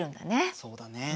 そうだね。